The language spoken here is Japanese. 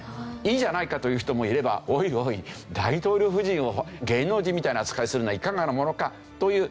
「いいじゃないか」という人もいれば「おいおい大統領夫人を芸能人みたいな扱いするのはいかがなものか」という。